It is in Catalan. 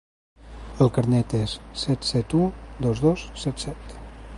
El carnet es set set u dos dos set set.